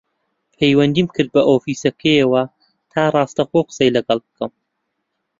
پەیوەندیم کرد بە ئۆفیسەکەیەوە تا ڕاستەوخۆ قسەی لەگەڵ بکەم